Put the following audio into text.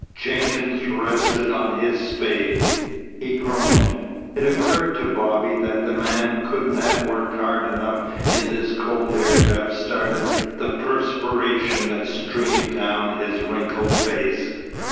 Jenkins rested on his spade. He groaned. It occurred to Bobby that the man couldn't have worked hard enough in this cold air to have started the perspiration that streamed down his wrinkled face.